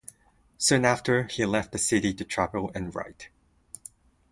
Soon after, he left the city to travel and write.